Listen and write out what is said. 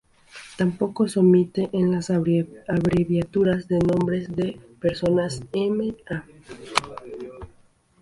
Tampoco se omite en las abreviaturas de nombres de persona: "M. Á.